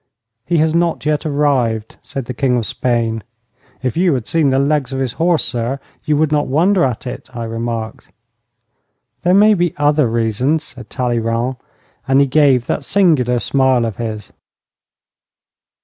'He has not yet arrived,' said the King of Spain. 'If you had seen the legs of his horse, sire, you would not wonder at it,' I remarked. 'There may be other reasons,' said Talleyrand, and he gave that singular smile of his.